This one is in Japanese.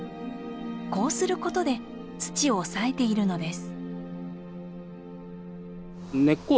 こうすることで土を抑えているのです。